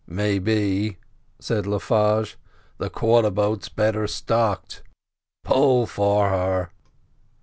"Maybe," said Le Farge, "the quarter boat's better stocked; pull for her."